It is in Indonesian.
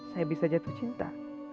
saya bisa jatuh cinta